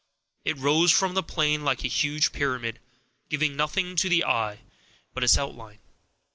It rose from the plain like a huge pyramid, giving nothing to the eye but its outlines.